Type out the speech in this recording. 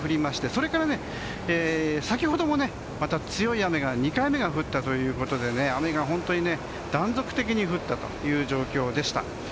それから先ほどもまた強い雨の２回目が降ったということで雨が断続的に降った状況でした。